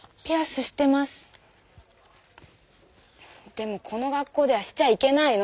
でもこの学校ではしちゃいけないの。